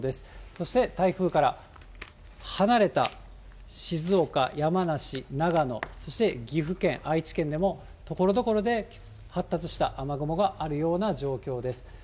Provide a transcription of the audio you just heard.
そして台風から離れた静岡、山梨、長野、そして岐阜県、愛知県でも、ところどころで発達した雨雲があるような状況です。